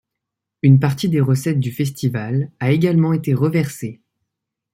Une partie des recettes du festival a également été reversée.